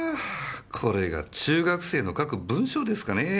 これが中学生の書く文章ですかねぇ。